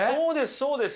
そうです！